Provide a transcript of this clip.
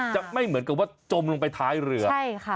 จะไม่เหมือนกับว่าจมลงไปท้ายเรือใช่ค่ะ